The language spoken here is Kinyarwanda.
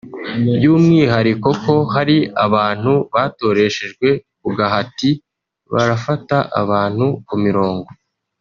by’umwihariko ko hari abantu batoreshejwe ku gahati “barafata abantu ku mirongo